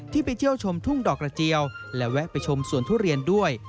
ไปเที่ยวชมทุ่งดอกกระเจียวและแวะไปชมสวนทุเรียนด้วย